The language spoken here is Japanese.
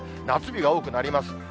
夏日が多くなります。